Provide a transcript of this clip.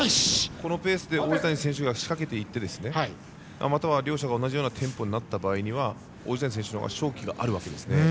このペースで王子谷選手が仕掛けていってまたは両者が同じようなテンポになった場合には王子谷選手のほうが勝機があるわけですね。